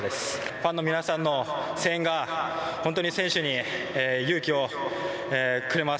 ファンの皆さんの声援が本当に選手に勇気をくれます。